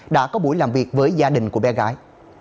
đã có buổi làm việc với gia đình của bé gái